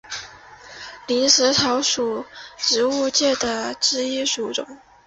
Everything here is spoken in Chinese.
林石草属为植物界之一植物属。